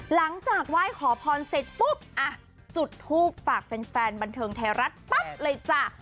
หลังจากไหว้ขอพรเสร็จปุ๊บอ่ะจุดทูปฝากแฟนบันเทิงไทยรัฐปั๊บเลยจ้ะ